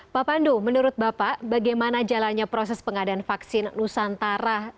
pak pandu menurut bapak bagaimana jalannya proses pengadaan vaksin nusantara